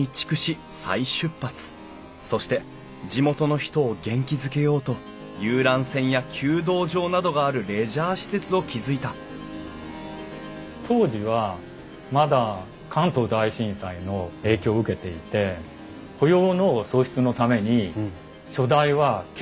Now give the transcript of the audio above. そして地元の人を元気づけようと遊覧船や弓道場などがあるレジャー施設を築いた当時はまだ関東大震災の影響を受けていて雇用の創出のために初代は決意したんだと思います。